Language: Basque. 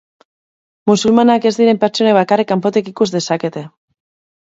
Musulmanak ez diren pertsonek bakarrik kanpotik ikus dezakete.